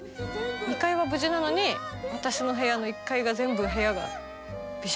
２階は無事なのに私の部屋の１階が全部部屋が。